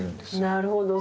なるほど。